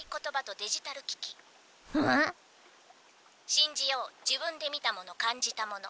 「信じよう自分で見たもの感じたもの」。